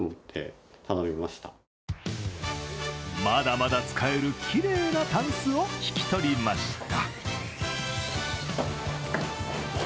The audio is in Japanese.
まだまだ使える、きれいなたんすを引き取りました。